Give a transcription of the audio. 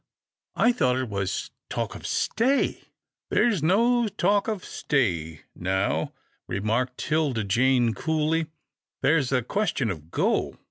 I thought it was talk of stay! "" There's no talk of stay now," remarked 'Tilda Jane coolly, " there's the question of go.